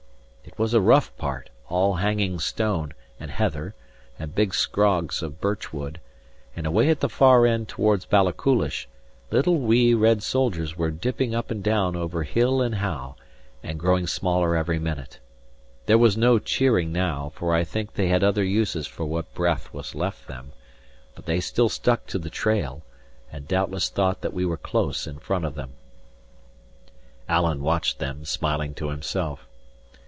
It was a rough part, all hanging stone, and heather, and big scrogs of birchwood; and away at the far end towards Balachulish, little wee red soldiers were dipping up and down over hill and howe, and growing smaller every minute. There was no cheering now, for I think they had other uses for what breath was left them; but they still stuck to the trail, and doubtless thought that we were close in front of them. Alan watched them, smiling to himself.